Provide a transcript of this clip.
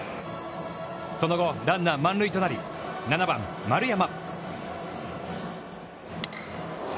その後ランナー満塁となり、７番丸山。